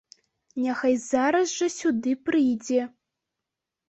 Няхай зараз жа сюды прыйдзе!